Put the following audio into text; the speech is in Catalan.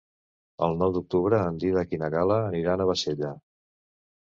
El nou d'octubre en Dídac i na Gal·la aniran a Bassella.